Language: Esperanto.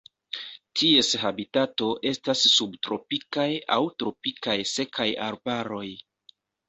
Ties habitato estas subtropikaj aŭ tropikaj sekaj arbaroj.